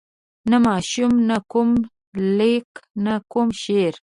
نه ماشوم نه کوم لیک نه کوم شعر.